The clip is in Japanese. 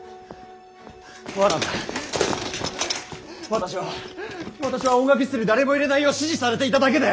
私は私は音楽室に誰も入れないよう指示されていただけで。